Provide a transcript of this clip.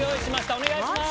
お願いします。